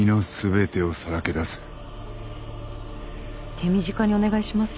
手短にお願いします。